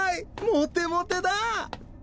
モテモテだ！